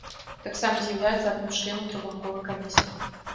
Таксама з'яўляецца адным з членам трохбаковай камісіі.